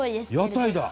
「屋台だ！」